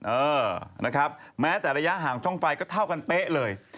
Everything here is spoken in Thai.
เออนะครับแม้แต่ระยะห่างช่องไฟก็เท่ากันเป๊ะเลย